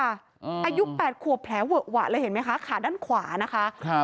อายุ๘ขวบแผลเวอะหวะเลยเห็นไหมคะขาด้านขวานะคะครับ